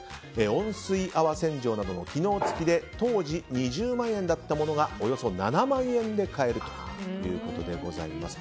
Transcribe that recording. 温水泡洗浄などの機能付きで当時２０万円だったものがおよそ７万円で買えるということでございます。